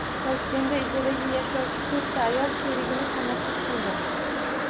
Toshkentda ijarada yashovchi to‘rt ayol sherigini “samosud” qildi